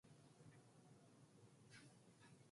He replaced retiring Commissioner Melody Currey.